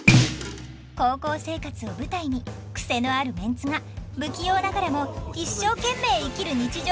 高校生活を舞台にクセのあるメンツが不器用ながらも一生懸命生きる日常をスケッチします！